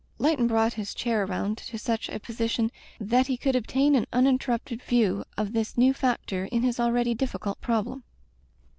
Leighton brought his chair around to such a position that he could obtain an uninter rupted view of this new factor in his already difficult problem.